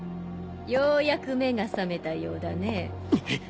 ・ようやく目が覚めたようだね。